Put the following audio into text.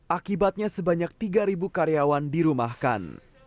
akibatnya sebanyak tiga karyawan dirumahkan